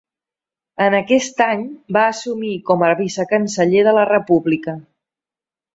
En aquest any va assumir com a vicecanceller de la República.